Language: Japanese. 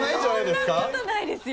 そんなことないですよ！